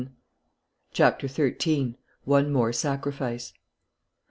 CHAPTER XIII. ONE MORE SACRIFICE.